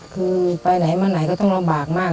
คือไปไหนมาไหนก็ต้องลำบากมาก